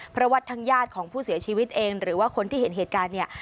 เพราะว่าทางญาติของผู้เสียชีวิตเองหรือว่าคนที่เห็นเหตุการณ์เนี่ย